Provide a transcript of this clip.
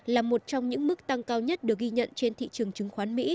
là một trong những mức tăng cao nhất được ghi nhận trên thị trường chứng khoán mỹ